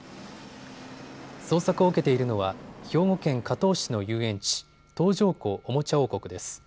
捜索を受けているのは兵庫県加東市の遊園地、東条湖おもちゃ王国です。